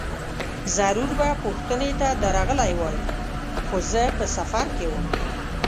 ضرور به پوښتنې ته درغلی وای، خو زه په سفر کې وم.